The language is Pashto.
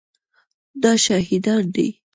دا شهیدان دي